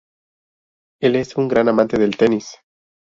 Él es un gran amante del tenis.